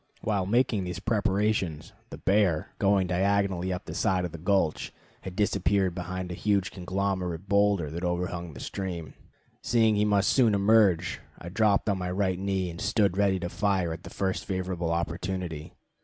While making these preparations, the bear, going diagonally up the side of the gulch, had disappeared behind a huge conglomerate boulder that overhung the stream. Seeing he must soon emerge, I dropped on my right knee and stood ready to fire at the first favorable opportunity.